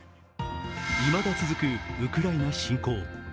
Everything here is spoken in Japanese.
いまだ続くウクライナ侵攻。